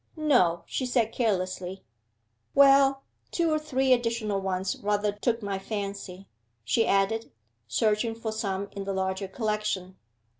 'No,' she said carelessly. 'Well, two or three additional ones rather took my fancy,' she added, searching for some in the larger collection.